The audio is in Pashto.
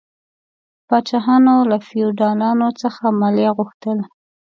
پاچاهانو له فیوډالانو څخه مالیه غوښتل.